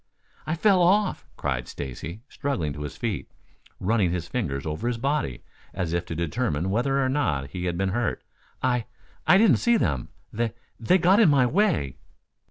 "I fell off," cried Stacy, struggling to his feet, running his fingers over his body, as if to determine whether or not he had been hurt. "I I didn't see them. Th they got in my way."